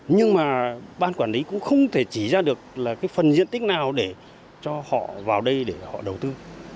nhưng mà ban quản lý cũng không thể chỉ ra được là cái phần diện tích nào để cho họ vào đây để họ đầu tư